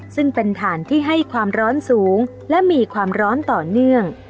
ซึ่งเป็นฐานที่ให้ความร้อนสูงและมีความร้อนต่อเนื่อง